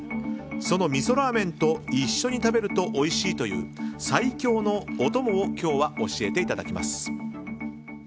そのみそラーメンと一緒に食べるとおいしいという最強のお供を今日は教えていただきます。